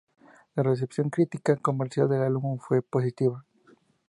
La recepción crítica y comercial del álbum fue positiva.